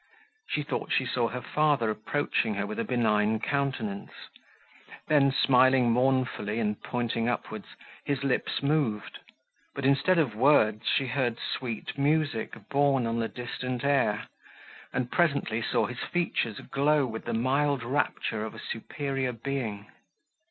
She thought she saw her father approaching her with a benign countenance; then, smiling mournfully and pointing upwards, his lips moved, but, instead of words, she heard sweet music borne on the distant air, and presently saw his features glow with the mild rapture of a superior being.